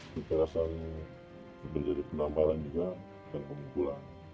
kekerasan itu menjadi penambaran juga dan pemimpulan